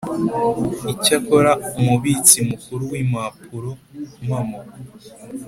Icyakora Umubitsi Mukuru w Impapurompamo